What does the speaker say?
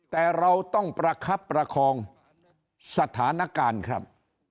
แต่เราต้องประคับประคองสถานการณ์ครับ